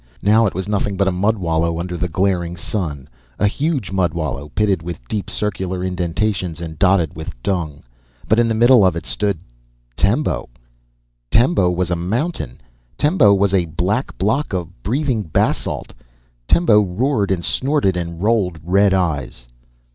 Now it was nothing but a mudwallow under the glaring sun; a huge mudwallow, pitted with deep, circular indentations and dotted with dung. But in the middle of it stood tembo. Tembo was a mountain, tembo was a black block of breathing basalt. Tembo roared and snorted and rolled red eyes.